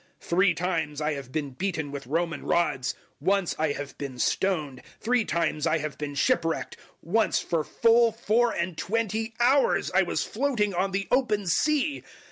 011:025 Three times I have been beaten with Roman rods, once I have been stoned, three times I have been shipwrecked, once for full four and twenty hours I was floating on the open sea.